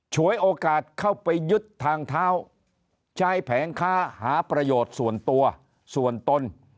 ฉวยโอกาสเข้าไปยึดทางเท้าใช้แผงค้าหาประโยชน์ส่วนตัวส่วนตน